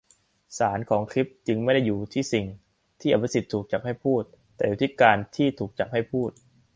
สารของคลิปจึงไม่ได้อยู่ที่'สิ่ง'ที่อภิสิทธิ์ถูกจับให้พูด แต่อยู่ที่'การ'ที่ถูกจับให้พูด